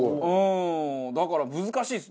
だから難しいです。